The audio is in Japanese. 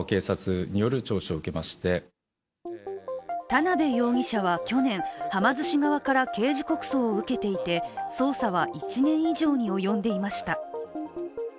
田辺容疑者は去年、はま寿司側から刑事告訴を受けていて捜査は１年以上に及んでいました。